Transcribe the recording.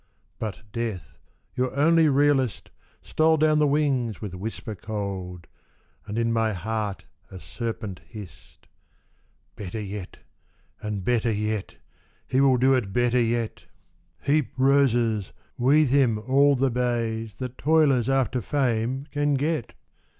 — But Death, your only realist, Stole down the wings with whisper cold, And in my heart a serpent hissed :—" Better yet, and better yet ! He will do it better yet ! Heap roses, weathe him all the bays That toilers after fame can get